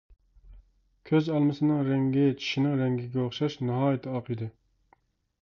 كۆز ئالمىسىنىڭ رەڭگى چىشنىڭ رەڭگىگە ئوخشاش ناھايىتى ئاق ئىدى.